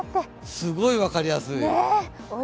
すごい分かりやすい。